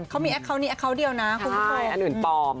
เขามีแอคเคาน์นี้แคว์เดียวนะคุณผู้ชมอันอื่นปลอม